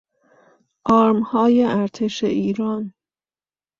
آرمهای ارتش ایران